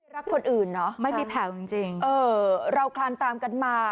รักคนอื่นเนอะไม่มีแผ่วจริงเออเราคลานตามกันมา